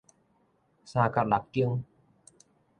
三角六肩